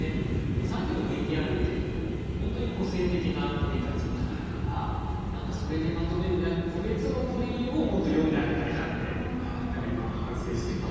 でもさっきのＶＴＲ観てると本当に個性的な鳥たちがいるから何かそれでまとめるんではなく個別の鳥をもっと詠んであげたいなって何か今反省しています。